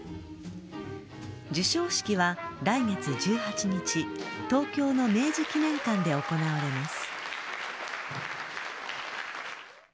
授賞式は来月１８日東京の明治記念館で行われます。